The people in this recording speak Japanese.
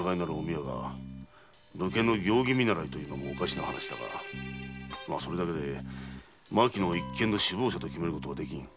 わが武家の行儀見習いというのも妙だがそれだけで牧野を一件の首謀者と決めることはできぬ。